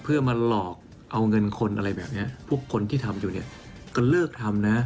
เพื่อมาหลอกเอาเงินคนอะไรแบบนี้พวกคนที่ทำอยู่เนี่ยก็เลิกทำนะ